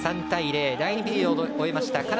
３対０、第２ピリオド終えました。